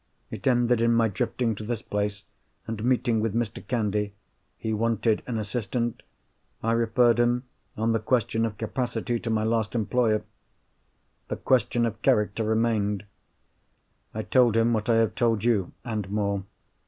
It ended in my drifting to this place, and meeting with Mr. Candy. He wanted an assistant. I referred him, on the question of capacity, to my last employer. The question of character remained. I told him what I have told you—and more.